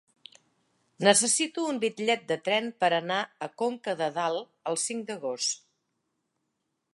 Necessito un bitllet de tren per anar a Conca de Dalt el cinc d'agost.